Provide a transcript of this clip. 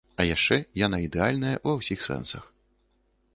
А яшчэ яна ідэальная ва ўсіх сэнсах.